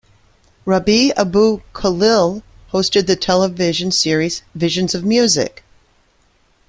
Rabih Abou-Khalil hosted the television series "Visions of Music".